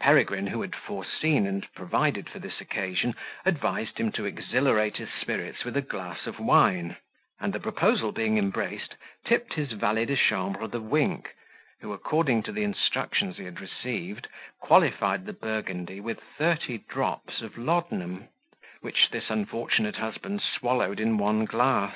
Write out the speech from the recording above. Peregrine, who had foreseen and provided for this occasion, advised him to exhilarate his spirits with a glass of wine; and the proposal being embraced, tipped his valet de chambre the wink, who, according to the instructions he had received, qualified the Burgundy with thirty drops of laudanum, which this unfortunate husband swallowed in one glass.